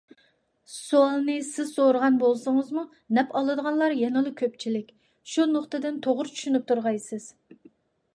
سوئالنى سىز سورىغان بولسىڭىزمۇ نەپ ئالىدىغانلار يەنىلا كۆپچىلىك. شۇ نۇقتىدىن توغرا چۈشىنىپ تۇرغايسىز.